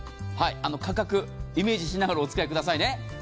価格、イメージしながらお付き合いください。